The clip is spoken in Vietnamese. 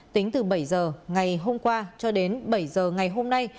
tính từ bảy giờ ngày hôm qua cho đến bảy giờ ngày hôm nay